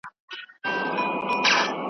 نور پر دوی وه قرآنونه قسمونه ,